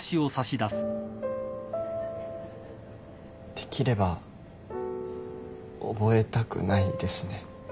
できれば覚えたくないですね。